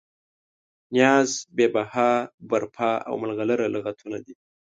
نیاز، بې بها، برپا او ملغلره لغتونه دي.